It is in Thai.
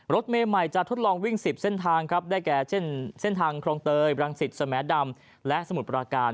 รถเมย์ใหม่จะทดลองวิ่ง๑๐เส้นทางครับได้แก่เช่นเส้นทางคลองเตยบรังสิตสมดำและสมุทรปราการ